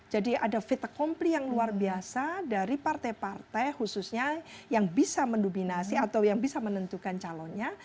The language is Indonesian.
jadi ada fitakompli yang luar biasa dari partai partai khususnya yang bisa mendominasi atau yang bisa menentukan calonnya